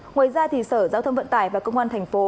ngoài ra sở giao thông vận tải và công an thành phố